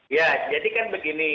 ya jadi kan begini